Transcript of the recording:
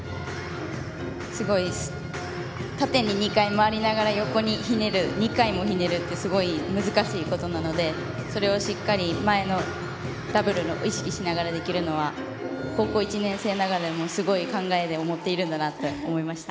縦に２回、回りながら横に２回もひねるってすごい難しいことなのでそれをしっかり前のダブルを意識しながらできるのは高校１年生ながらにすごいものを持っているんだなと思いました。